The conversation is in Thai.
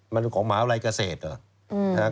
มันของมหาวิทยาลัยเกษตรเหรอ